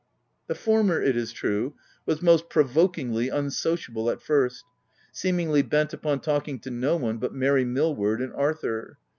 The former, it is true, was most provokingly unsociable at first — seemingly bent upon talk ing to no one but Mary Millward and Arthur.